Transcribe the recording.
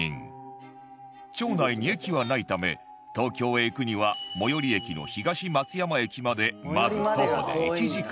町内に駅はないため東京へ行くには最寄り駅の東松山駅までまず徒歩で１時間